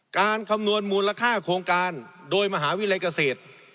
คำนวณมูลค่าโครงการโดยมหาวิทยาลัยเกษตร